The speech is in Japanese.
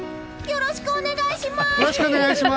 よろしくお願いします！